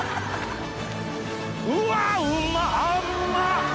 うわうんまっ。